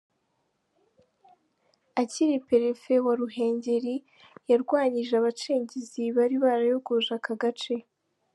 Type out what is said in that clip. Akiri Perefe wa Ruhengeri yarwanyije abacengezi bari barayogoje aka gace.